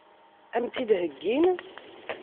Ad m-tt-id-heggin?